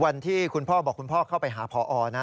วันที่คุณพ่อบอกคุณพ่อเข้าไปหาพอนะ